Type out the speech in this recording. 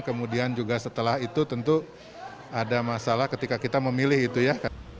kemudian juga setelah itu tentu ada masalah ketika kita memilih itu ya